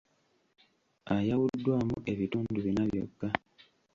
Ayawuddwamu ebitundu bina byokka.